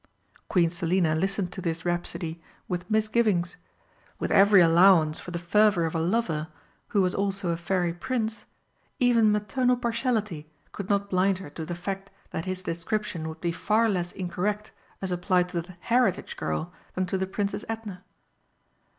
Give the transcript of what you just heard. Queen Selina listened to his rhapsody with misgivings. With every allowance for the fervour of a lover who was also a Fairy Prince, even maternal partiality could not blind her to the fact that his description would be far less incorrect as applied to that Heritage girl than to the Princess Edna.